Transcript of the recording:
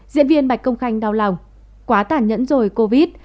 diễn viên bạch công khanh đau lòng quá tản nhẫn rồi covid